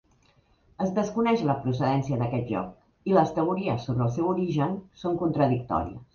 Es desconeix la procedència d'aquest joc i les teories sobre el seu origen són contradictòries.